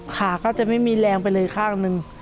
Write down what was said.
ขาก็จะไม่มีแรงไปเลยข้างหนึ่ง